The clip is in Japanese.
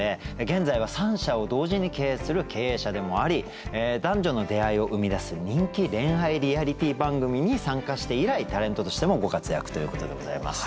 現在は３社を同時に経営する経営者でもあり男女の出会いを生み出す人気恋愛リアリティー番組に参加して以来タレントとしてもご活躍ということでございます。